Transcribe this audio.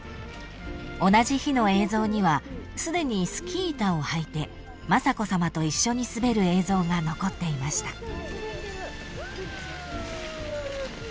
［同じ日の映像にはすでにスキー板を履いて雅子さまと一緒に滑る映像が残っていました］